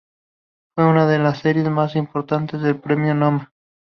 Fue una de las series más importantes del Premio Noma.